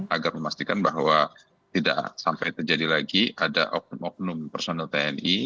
agar memastikan bahwa tidak sampai terjadi lagi ada oknum oknum personel tni